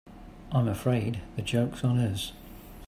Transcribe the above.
I'm afraid the joke's on us.